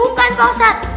bukan pak ustadz